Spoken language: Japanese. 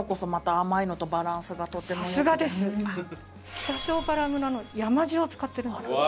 北塩原村の山塩を使ってるんです。